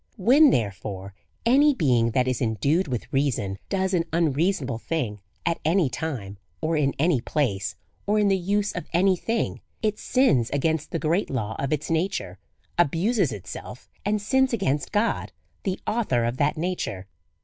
When, therefore, any being that is endued with reason does an unreasonable thing at any time, or in any place, or in the use of any thing, it sins against the great law of its nature, abuses itself, and sins against God, the author of that nature.